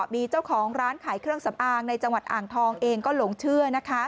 มีเจ้าของร้านขายเครื่องสำอางในจังหวัดอ่างทองเองก็หลงเชื่อนะคะ